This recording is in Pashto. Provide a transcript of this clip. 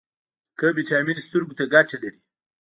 کوم ویټامین سترګو ته ګټه لري؟